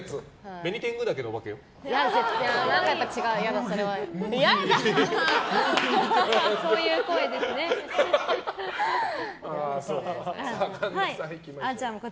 ベニテングダケのお化けは？